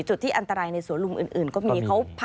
จุดที่อันตรายในสวนลุมอื่นก็มี